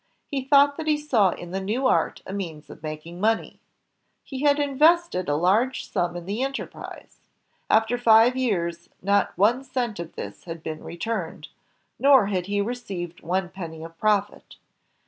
He thought that he saw in the new art a means of making money. He had invested a large sum in the enterprise. After five years, not one cent of this had been returned, nor had he received one penny of profit.